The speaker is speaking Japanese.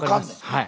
はい。